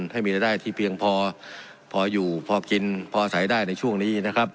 ให้มีรายได้ที่เพียงพอพออยู่พอกินพอใส่ได้ในช่วงนี้นะครับ